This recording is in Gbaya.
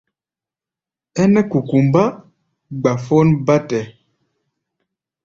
Ɛ́nɛ́ kukumbá gbafón bátɛ.